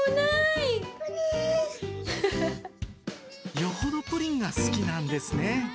よほどプリンが好きなんですね。